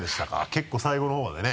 結構最後の方までね。